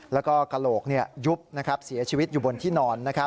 แล้วก็กระโหลกยุบเสียชีวิตอยู่บนที่นอน